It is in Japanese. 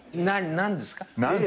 何ですか？